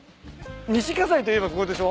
西葛西といえばここでしょ？